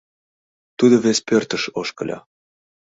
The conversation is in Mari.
Тудо вес пӧртыш ошкыльо.